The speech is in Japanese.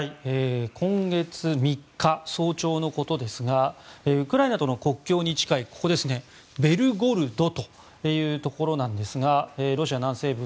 今月３日早朝のことですがウクライナとの国境に近いベルゴロドというところなんですがロシア南西部